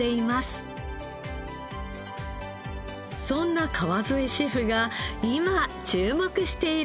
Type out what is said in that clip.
そんな川副シェフが今注目しているのは。